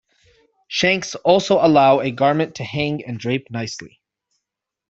Shanks also allow a garment to hang and drape nicely.